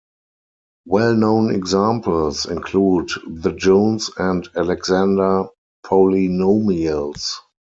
Well-known examples include the Jones and Alexander polynomials.